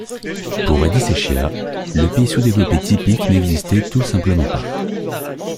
Pour Adiseshiah, le pays sous-développé typique n’existait tout simplement pas.